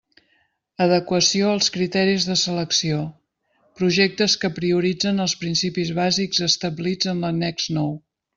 Adequació als criteris de selecció: projectes que prioritzen els principis bàsics establits en l'annex nou.